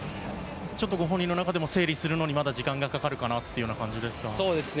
ちょっと、ご本人の中でも整理するのにまだ時間がかかるかなという感じですか。